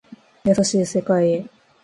優しい世界へ